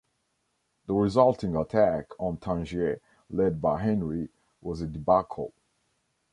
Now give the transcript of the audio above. The resulting attack on Tangier, led by Henry, was a debacle.